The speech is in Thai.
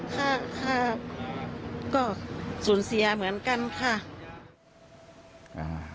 ข้าก็สูญเสียเหมือนกันค่ะ